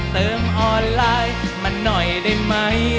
เติมออนไลน์มาหน่อยได้ไหม